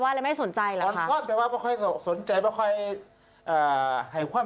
สวัสดีครับสวัสดีครับ